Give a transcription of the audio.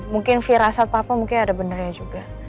mungkin virasat papa mungkin ada beneran juga